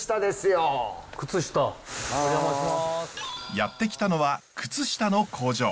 やって来たのは靴下の工場。